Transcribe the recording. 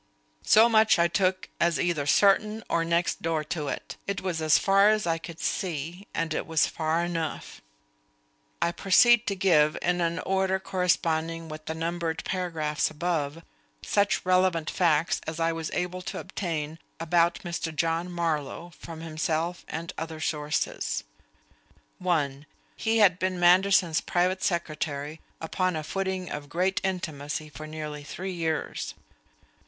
So much I took as either certain or next door to it. It was as far as I could see. And it was far enough. I proceed to give, in an order corresponding with the numbered paragraphs above, such relevant facts as I was able to obtain about Mr. John Marlowe, from himself and other sources. (1) He had been Manderson's private secretary, upon a footing of great intimacy, for nearly three years.